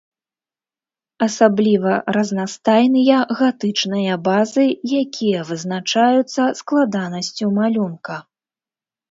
Асабліва разнастайныя гатычныя базы, якія вызначаюцца складанасцю малюнка.